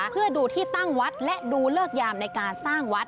เพื่อดูที่ตั้งวัดและดูเลิกยามในการสร้างวัด